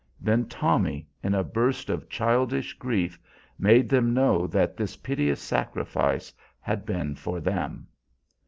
Then Tommy, in a burst of childish grief, made them know that this piteous sacrifice had been for them.